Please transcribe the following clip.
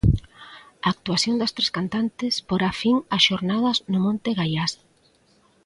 A actuación das tres cantantes porá fin ás xornadas no Monte Gaiás.